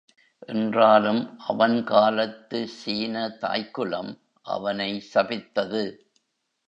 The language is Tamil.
என்றாலும் அவன் காலத்து சீனத் தாய்க் குலம் அவனை சபித்தது.